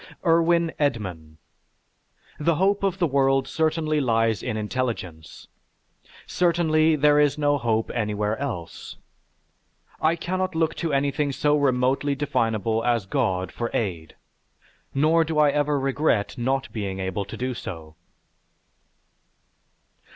IRWIN EDMAN The hope of the world certainly lies in intelligence. Certainly, there is no hope anywhere else. I cannot look to anything so remotely definable as God for aid, nor do I ever regret not being able to do so.